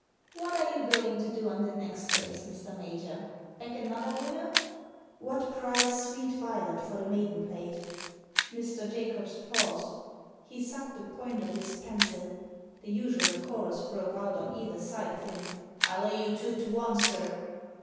What are you going to do on the next race, Mr. Major ? Back another winner ?" "What price Sweet Violet for the Maiden Plate? Mr. Jacobs paused. He sucked the point of his pencil The usual chorus broke out on either side of him :" I'll lay you two to one, sir."